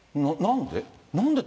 なんで？